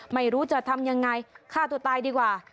ไม่รู้จะทำยังไงฆ่าตัวตายดีกว่า